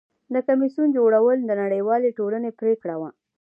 د کمیسیون جوړول د نړیوالې ټولنې پریکړه وه.